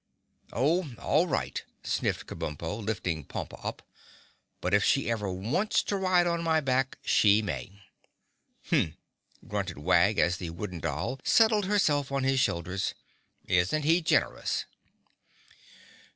"Oh, all right," sniffed Kabumpo, lifting Pompa up, "but if she ever wants to ride on my back she may." "Humph!" grunted Wag, as the Wooden Doll settled herself on his shoulders. "Isn't he generous!"